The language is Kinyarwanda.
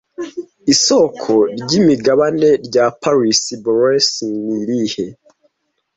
Isoko ryimigabane rya Paris Bourse ni irihe?